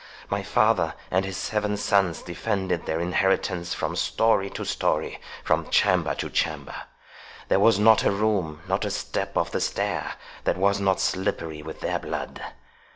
My father and his seven sons defended their inheritance from story to story, from chamber to chamber—There was not a room, not a step of the stair, that was not slippery with their blood.